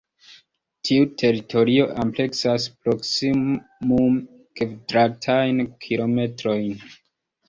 Tiu teritorio ampleksas proksimume kvadratajn kilometrojn.